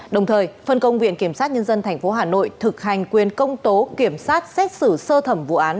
đồng thời phân công viện kiểm sát nhân dân tp hcm thực hành quyền công tố kiểm sát xét xử sơ thẩm vụ án